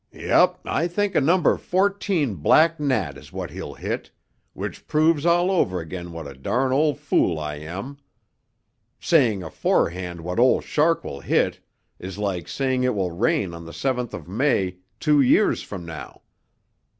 "Yup, I think a number fourteen black gnat is what he'll hit, which proves all over again what a darn' old fool I am. Saying aforehand what Old Shark will hit is like saying it will rain on the seventh of May two years from now.